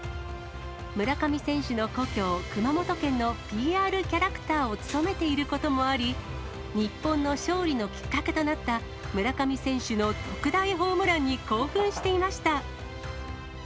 村上選手の故郷、熊本県のＰＲキャラクターを務めていることもあり、日本の勝利のきっかけとなった、村上選手の特大ホームランに興奮していました。